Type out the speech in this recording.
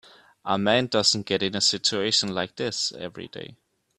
A man doesn't get in a situation like this every day.